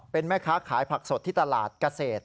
เป็นแม่ค้าขายผักสดที่ตลาดเกษตร